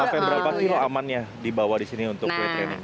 sampai berapa kilo amannya dibawa disini untuk weight training gitu